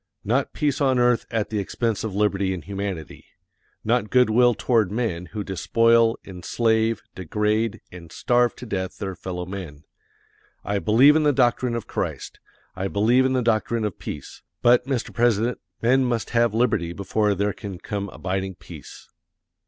Not peace on earth at the expense of liberty and humanity. Not good will toward men who despoil, enslave, degrade, and starve to death their fellow men. I believe in the doctrine of Christ. I believe in the doctrine of peace; but, Mr. President, men must have liberty before there can come abiding peace.